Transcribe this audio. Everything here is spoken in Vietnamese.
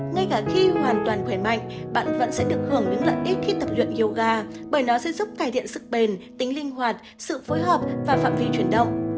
ngay cả khi hoàn toàn khỏe mạnh bạn vẫn sẽ được hưởng những lợi ích khi tập luyện yoga bởi nó sẽ giúp cải thiện sức bền tính linh hoạt sự phối hợp và phạm vi chuyển động